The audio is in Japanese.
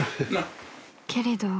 ［けれど］